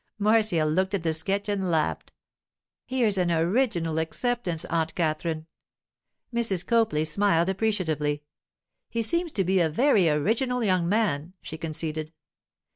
Marcia looked at the sketch and laughed. 'Here's an original acceptance, Aunt Katherine.' Mrs. Copley smiled appreciatively. 'He seems to be a very original young man,' she conceded.